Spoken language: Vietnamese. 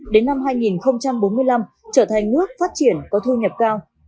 đến năm hai nghìn bốn mươi năm trở thành nước phát triển có thu nhập cao